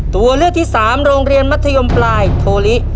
ตัวเลือกที่สามโรงเรียนมัธยมปลายโทลิ